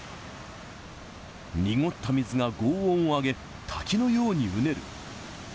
濁った水がごう音を上げ、滝のようにうねる。